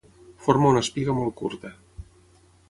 Forma una espiga molt curta.